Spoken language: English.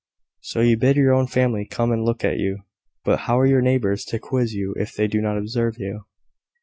"So you bid your own family come and look at you. But how are your neighbours to quiz you if they do not observe you?"